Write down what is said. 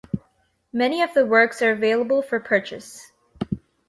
Many of the works are available for purchase.